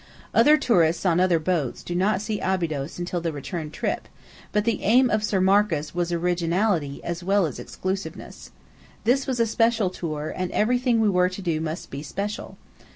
Other tourists on other boats do not see Abydos until the return trip; but the aim of Sir Marcus was originality as well as "exclusiveness." This was a special tour, and everything we were to do must be special.